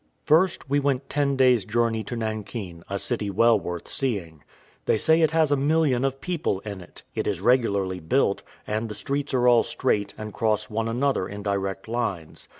First, we went ten days' journey to Nankin, a city well worth seeing; they say it has a million of people in it: it is regularly built, and the streets are all straight, and cross one another in direct lines.